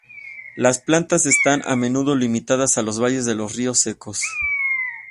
Las plantas están a menudo limitadas a los valles de los ríos secos.